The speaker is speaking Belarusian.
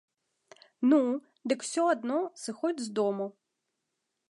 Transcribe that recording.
Ну, дык усё адно сыходзь з дому.